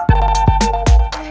kau mau kemana